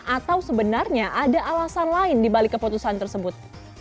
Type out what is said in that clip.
atau sebenarnya ada alasan lain dibalik keputusan tersebut